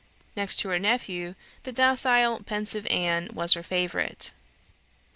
Next to her nephew, the docile, pensive Anne was her favourite.